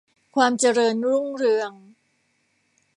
ความเจริญรุ่งเรือง